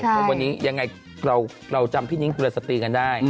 เพราะวันนี้ยังไงเราจำพี่นิ้งกุลสตรีกันได้